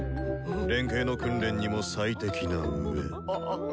連携の訓練にも最適な上。